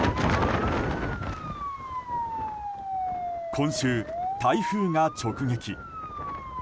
今週、台風が直撃。